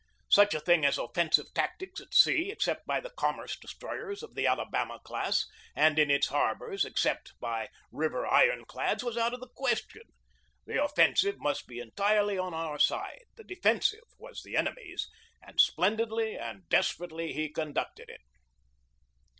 Such a thing as offensive tactics at sea, except by the commerce destroyers of the Alabama class, and in its harbors, except by river iron clads, was out of the question. The offensive must be entirely on our side; the defensive was the enemy's, and splendidly and "desperately he conducted it.